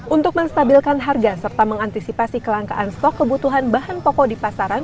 untuk menstabilkan harga serta mengantisipasi kelangkaan stok kebutuhan bahan pokok di pasaran